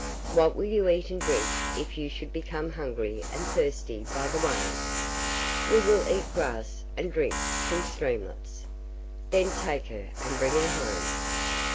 'What will you eat and drink if you should become hungry and thirsty by the way?' 'We will eat grass and drink from streamlets.' 'Then take her, and bring her home.